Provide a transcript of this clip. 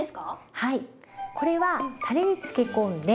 はい。